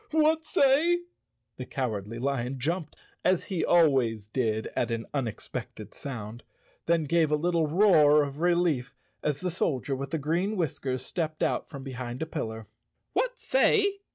"What say?" The Cowardly Lion jumped, as he al¬ ways did at an unexpected sound, then gave a little roar of relief as the Soldier with the Green Whiskers stepped out from behind a pillar. "What say?"